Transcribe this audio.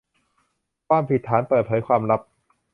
ความผิดฐานเปิดเผยความลับ